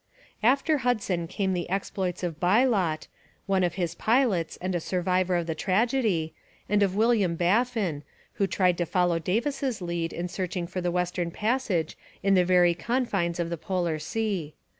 After Hudson came the exploits of Bylot, one of his pilots, and a survivor of the tragedy, and of William Baffin, who tried to follow Davis's lead in searching for the Western Passage in the very confines of the polar sea.